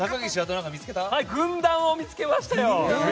軍団を見つけましたよ！